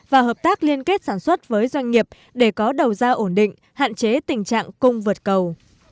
và hợp tác liên kết sản xuất với doanh nghiệp để có đầu ra ổn định hạn chế tình trạng cung vượt cầu